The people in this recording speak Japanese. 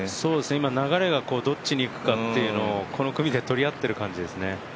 流れがどっちに行くかというのをこの組で取り合っている感じですね。